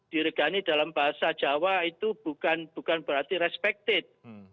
diregani dalam bahasa jawa itu bukan berarti respected